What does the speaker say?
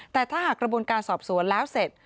แต่ถ้าหากกระบวนการสอบสวนแล้วเสร็จ